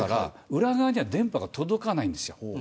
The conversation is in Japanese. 裏側には電波が届かないんです。